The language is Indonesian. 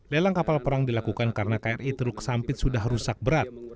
lelang kapal perang dilakukan karena kri teluk sampit sudah rusak berat